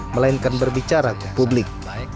melainkan berbicara ke publik